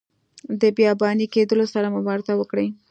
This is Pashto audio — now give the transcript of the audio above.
د بیاباني کیدلو سره مبارزه وکړي.